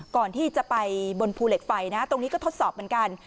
ก่อนที่จะไปบนภูเหล็กไฟนะตรงนี้ก็ทดสอบเหมือนกัน